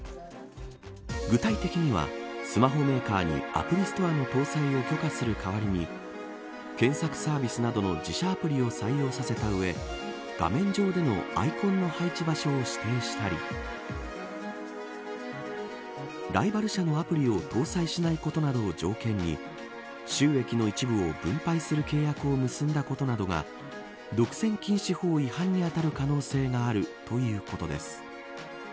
具体的には、スマホメーカーにアプリストアの搭載を許可する代わりに検索サービスなどの自社アプリを採用させたうえ画面上でのアイコンの配置場所を指定したりライバル社のアプリを搭載しないことなどを条件に収益の一部を分配する契約を結んだことなどが独占禁止法違反に当たる可能性があるということです。